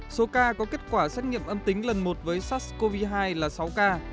số ca có kết quả xét nghiệm âm tính lần một với sars cov hai là sáu ca